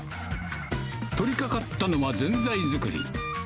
取りかかったのはぜんざい作り。